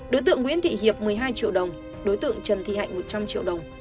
đối tượng nguyễn thị hiệp một mươi hai triệu đồng đối tượng trần thị hạnh một trăm linh triệu đồng